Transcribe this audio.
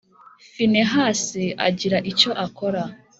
Finehasi agira icyo akora